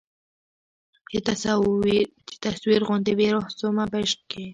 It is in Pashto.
چي تصویر غوندي بې روح سومه په عشق کي